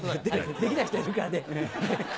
できない人いるからね。